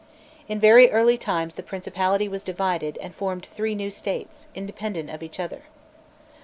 In very early times the principality was divided, and formed three new states, independent of each other.